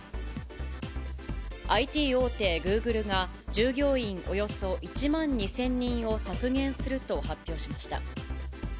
ＩＴ大手、グーグルが、従業員およそ１万２０００人を削減すると発表しました。